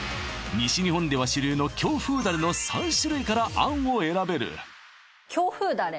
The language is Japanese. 西日本では主流の京風ダレの３種類から餡を選べる京風ダレ